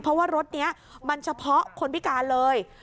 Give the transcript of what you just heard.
เพราะว่ารถนี้มันเฉพาะคนพิการเลย